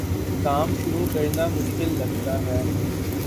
کام شروع کرنا مشکل لگتا ہے